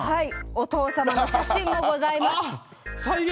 お父様の写真もございます。